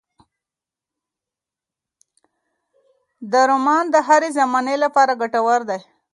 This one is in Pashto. دا رومان د هرې زمانې لپاره ګټور دی.